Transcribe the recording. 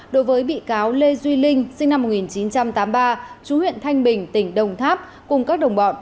đối với bị cáo lê duy linh sinh năm một nghìn chín trăm tám mươi ba chú huyện thanh bình tỉnh đồng tháp cùng các đồng bọn